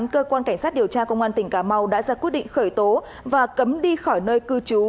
cơ quan cảnh sát điều tra công an tỉnh cà mau đã ra quyết định khởi tố và cấm đi khỏi nơi cư trú